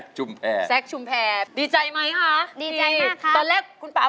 เกือบร้องไห้แล้วอ่ะ